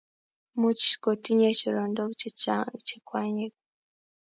Much kotinye chorondok chechange che kwanyik